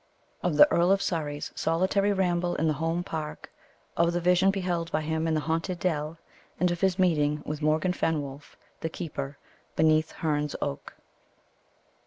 Of the Earl of Surrey's solitary Ramble in the Home Park Of the Vision beheld by him in the Haunted Dell And of his Meeting with Morgan Fenwolf, the Keeper, beneath Herne's Oak.